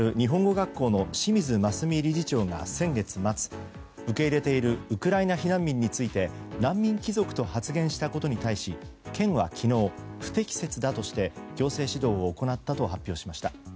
学校の清水澄理事長が先月末受け入れているウクライナ避難民について難民貴族と発言したことに対し県は昨日不適切だとして行政指導を行ったと発表しました。